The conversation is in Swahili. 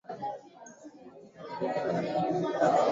wapo hapa hapa lenzamu napenda hizi salamu zangu zipate kuwafikia